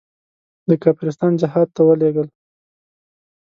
د کافرستان جهاد ته ولېږل.